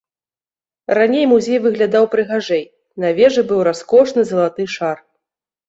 Раней музей выглядаў прыгажэй, на вежы быў раскошны залаты шар.